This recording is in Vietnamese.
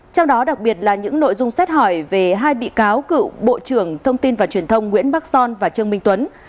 trong đó đặc biệt là những nội dung xét hỏi về hai bị cáo cựu bộ trưởng thông tin và truyền thông nguyễn bắc son và trương minh tuấn